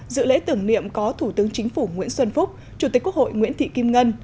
dự lễ tưởng niệm có thủ tướng chính phủ nguyễn xuân phúc chủ tịch quốc hội nguyễn thị kim ngân